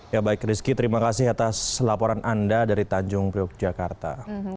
ya baik rizky terima kasih atas laporan anda dari tanjung priok jakarta